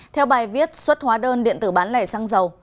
theo bài viết xuất hóa đơn điện tử bán lẻ xăng dầu